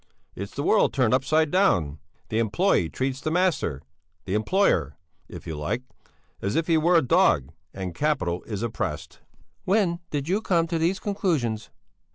It's the world turned upside down! The employé treats the master the employer, if you like as if he were a dog, and capital is oppressed." "When did you come to these conclusions?"